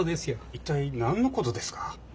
一体何のことですか？